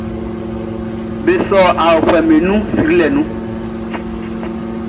Be sɔ aofuɛʼm be nun srilɛ nun.